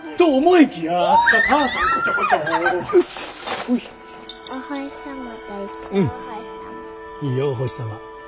いいよお星様。